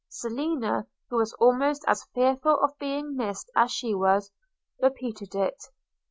– Selina, who was almost as fearful of being missed as she was, repeated it.